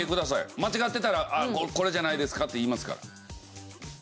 間違ってたらこれじゃないですか？って言いますから。